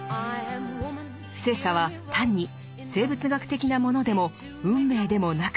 性差は単に生物学的なものでも運命でもなく